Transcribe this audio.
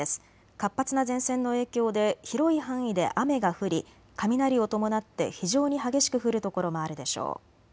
活発な前線の影響で広い範囲で雨が降り雷を伴って非常に激しく降る所もあるでしょう。